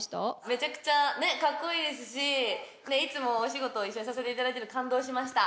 めちゃくちゃね格好いいですしいつもお仕事一緒にさせていただいてるので感動しました。